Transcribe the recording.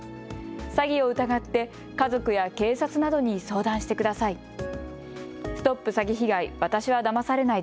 詐欺を疑って家族や警察などに相談してください。